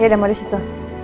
ya udah mau disitu